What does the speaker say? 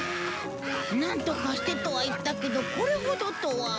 なんとかしてとは言ったけどこれほどとは。